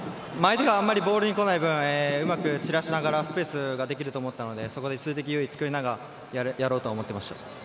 あまりボールに来ない分ちらしながらスペースができると思ったのでそこで数的有利を作りながらやろうとは思っていました。